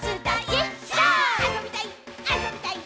あそびたい！